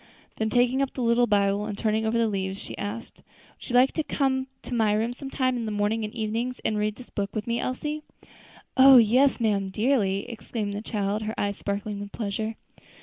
Then taking up the little Bible, and turning over the leaves, she asked, "Would you like to come to my room sometimes in the mornings and evenings, and read this book with me, Elsie?" "Oh! yes, ma'am, dearly!" exclaimed the child, her eyes sparkling with pleasure.